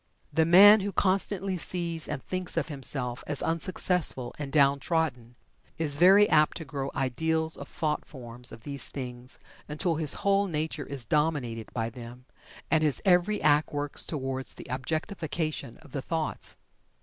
The man who constantly sees and thinks of himself as unsuccessful and down trodden is very apt to grow ideals of thought forms of these things until his whole nature is dominated by them, and his every act works toward the objectification of the thoughts.